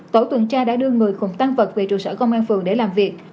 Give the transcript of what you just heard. tổ tuần tra đã đưa người cùng tăng vật về trụ sở công an phường để làm việc